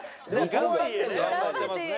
頑張ってますね。